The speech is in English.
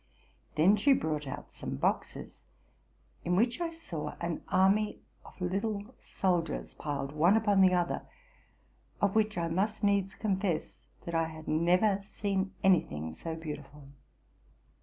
'' Then she brought out some boxes, in which I saw an army of little soldiers piled one upon the other, of which I must needs confess that I had never seen any thing so beautiful.